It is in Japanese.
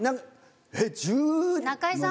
中居さん